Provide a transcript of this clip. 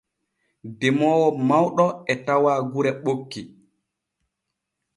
Demoowo mawɗo e tawa gure ɓokki.